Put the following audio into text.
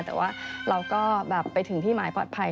แต่ว่าเราก็แบบไปถึงที่หมายปลอดภัย